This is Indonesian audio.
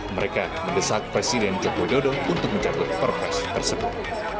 mereka mendesak presiden joko widodo untuk mencabut perpres tersebut